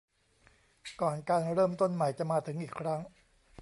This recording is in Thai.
ก่อนการเริ่มต้นใหม่จะมาถึงอีกครั้ง